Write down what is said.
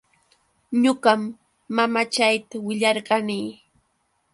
Ñuqam mamachayta willarqani.